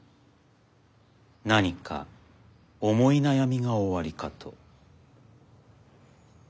何か思い悩みがおありかと。